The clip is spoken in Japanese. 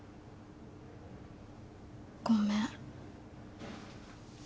ごめん。